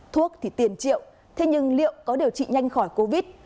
thuốc thì tiền triệu thế nhưng liệu có điều trị nhanh khỏi covid